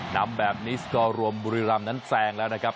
นำแบบนี้สกอร์รวมบุรีรำนั้นแซงแล้วนะครับ